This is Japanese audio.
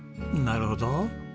なるほど。